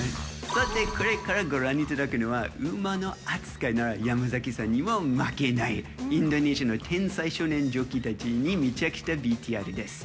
さてこれからご覧いただくのは馬の扱いなら山さんにも負けないインドネシアの天才少年ジョッキーたちに密着したＶＴＲです。